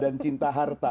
dan cinta harta